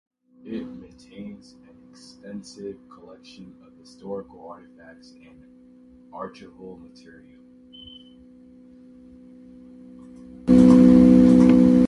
It maintains an extensive collection of historical artifacts and archival material.